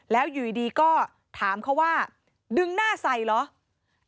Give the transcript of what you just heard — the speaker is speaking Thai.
แล้วอยู่ดีก็ถามเขาว่าดึงหน้าใส่เหรอ